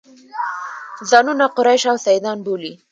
ځانونه قریش او سیدان بولي.